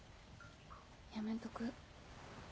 やめとく。